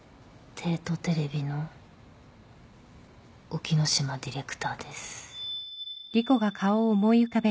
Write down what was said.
帝都テレビの沖野島ディレクターです。